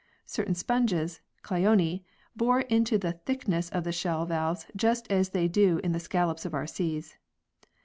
Certain sponges (Clione) bore into the thickness of the shell valves just as they do in the scallops of our seas.